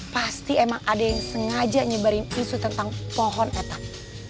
pasti emang ada yang sengaja nyebarin isu tentang pohon etak